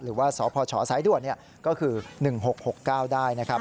หรือว่าสพชสายด่วนก็คือ๑๖๖๙ได้นะครับ